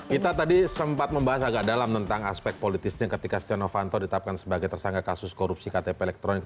kita tadi sempat membahas agak dalam tentang aspek politisnya ketika stiano fanto ditapkan sebagai tersangka kasus korupsi ktp elektronik